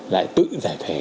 lại tự giải thể